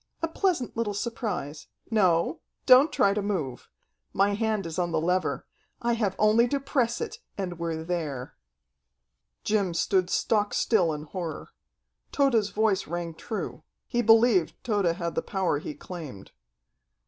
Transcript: A pleasant little surprise. No, don't try to move. My hand is on the lever. I have only to press it, and we're there." Jim stood stock still in horror. Tode's voice rang true. He believed Tode had the power he claimed.